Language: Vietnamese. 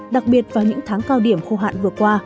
đặc biệt vào những tháng cao điểm khô hạn vừa qua